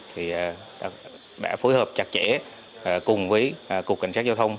thì đã phối hợp chặt chẽ cùng với cục cảnh sát giao thông